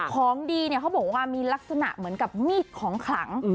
ของดีเนี่ยเขาบอกว่ามีลักษณะเหมือนกับมีดของขลัง